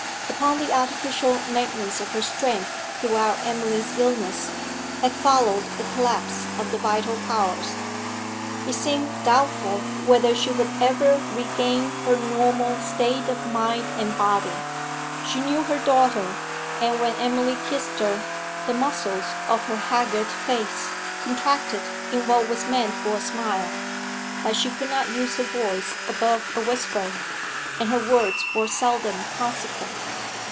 Upon the artificial maintenance of her strength throughout Emily's illness had followed a collapse of the vital powers; it seemed doubtful whether she would ever regain her normal state of mind and body. She knew her daughter, and, when Emily kissed her, the muscles of her haggard face contracted in what was meant for a smile; but she could not use her voice above a whisper, and her words were seldom consequent.